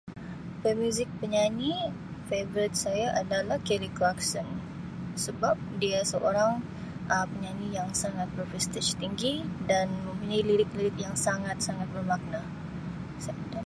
Pemuzik, penyanyi favourite saya adalah Kelly Clarkson, sebab dia seorang Um penyanyi yang sangat berprestij tinggi dan mempunyai lirik-lirik yang sangat-sangat bermakna. [unintelligible]